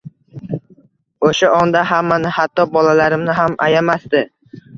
Oʻsha onda hammani, hatto bolalarimni ham ayamasdi